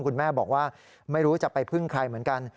คุณแม่บอกว่าไม่รู้จะไปพึ่งใครเหมือนกัน